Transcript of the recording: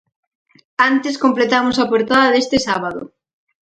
Antes completamos a portada deste sábado.